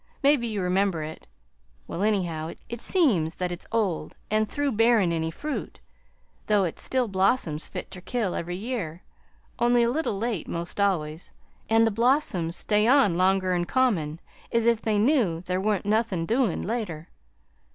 Maybe you remember it. Well, anyhow, it seems that it's old, an' through bearin' any fruit, though it still blossoms fit ter kill, every year, only a little late 'most always, an' the blossoms stay on longer'n common, as if they knew there wa'n't nothin' doin' later.